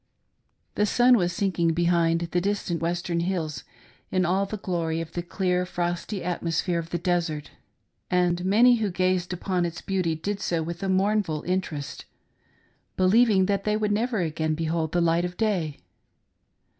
" The sun was sinking behind the distant western hills, in all the glory of the clear frosty atmosphere of the desert, and many who gazed upon its beauty did so with a mournful inter est, believing that they would never again behold the light of day.